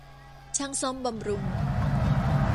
ช่างซ่อมบำรุง